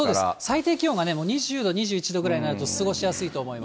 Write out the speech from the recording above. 最低気温が２０度、２１度ぐらいになると過ごしやすいと思います。